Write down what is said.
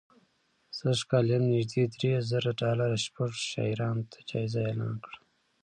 سږ کال یې هم نژدې درې زره ډالره شپږو شاعرانو ته جایزه اعلان کړه